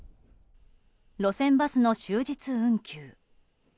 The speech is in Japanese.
路線バスの終日運休。